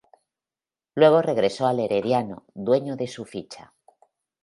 Luego regresó al Herediano, dueño de su ficha.